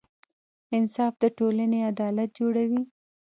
انصاف د ټولنې عدالت جوړوي.